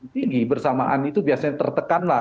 tinggi bersamaan itu biasanya tertekan lah